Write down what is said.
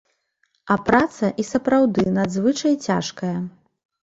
А праца і сапраўды надзвычай цяжкая.